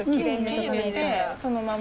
そのままで。